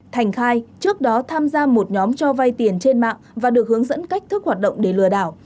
thành khai trước đó tham gia một nhóm cho vay tiền trên mạng và được hướng dẫn cách thức hoạt động để lừa đảo